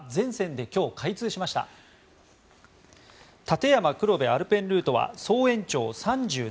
立山黒部アルペンルートは総延長３７．２ｋｍ